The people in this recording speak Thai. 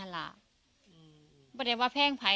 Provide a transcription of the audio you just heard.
แต่แค่ว่าแพ้งพัย